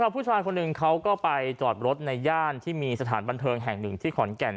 ผู้ชายคนหนึ่งเขาก็ไปจอดรถในย่านที่มีสถานบันเทิงแห่งหนึ่งที่ขอนแก่น